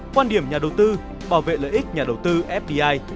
quan điểm nhà đầu tư bảo vệ lợi ích nhà đầu tư fdi